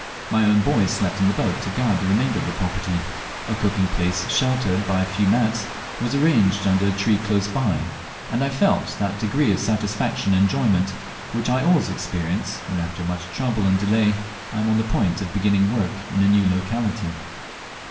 My own boys slept in the boat to guard the remainder of my property; a cooking place sheltered by a few mats was arranged under a tree close by, and I felt that degree of satisfaction and enjoyment which I always experience when, after much trouble and delay, I am on the point of beginning work in a new locality.